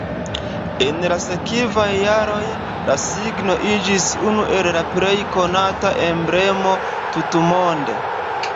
En la sekvaj jaroj la signo iĝis unu el la plej konataj emblemoj tutmonde.